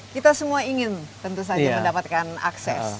kita semua ingin tentu saja mendapatkan akses